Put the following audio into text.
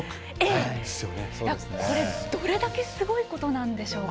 これ、どれだけすごいことなんでしょうか。